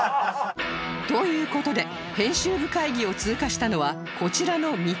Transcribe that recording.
という事で編集部会議を通過したのはこちらの３つ